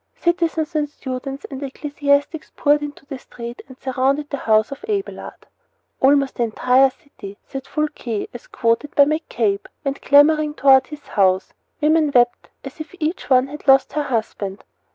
Citizens and students and ecclesiastics poured into the street and surrounded the house of Abelard. "Almost the entire city," says Fulques, as quoted by McCabe, "went clamoring toward his house. Women wept as if each one had lost her husband."